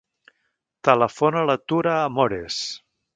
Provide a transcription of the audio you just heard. Telefona a la Tura Amores.